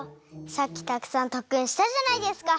さっきたくさんとっくんしたじゃないですか。